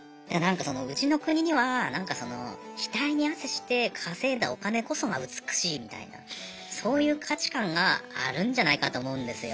うちの国には額に汗して稼いだお金こそが美しいみたいなそういう価値観があるんじゃないかと思うんですよ。